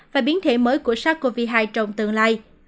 và biến thể mới của sars cov hai trong tương lai